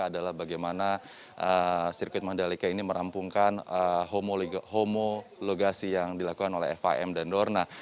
adalah bagaimana sirkuit mandalika ini merampungkan homologasi yang dilakukan oleh fim dan dorna